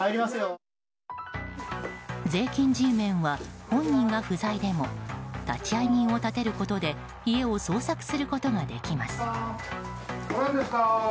税金Ｇメンは本人が不在でも立ち会い人を立てることで家を捜索することができます。